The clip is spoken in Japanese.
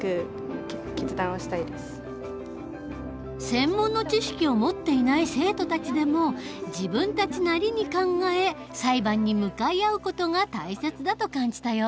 専門の知識を持っていない生徒たちでも自分たちなりに考え裁判に向かい合う事が大切だと感じたようだ。